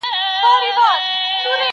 ما به ولي کاروانونه لوټولاى٫